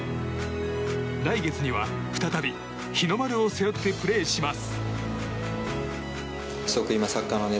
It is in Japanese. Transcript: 来月には、再び日の丸を背負ってプレーします。